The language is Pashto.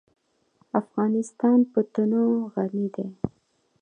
افغانستان په تنوع غني دی.